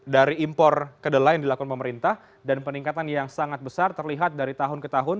dari impor kedelai yang dilakukan pemerintah dan peningkatan yang sangat besar terlihat dari tahun ke tahun